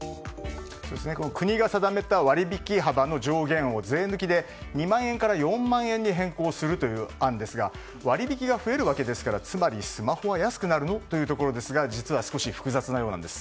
国が定めた割引幅の上限を税抜きで２万円から４万円に変更するという案ですが割引が増えるわけですからつまりスマホが安くなるの？というところですが実は少し複雑なようなんです。